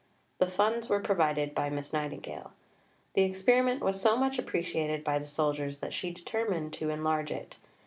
The funds were provided by Miss Nightingale. The experiment was so much appreciated by the soldiers that she determined to enlarge it.